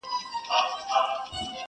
د جګو غرونو، شنو لمنو، غرڅنۍ سندري!.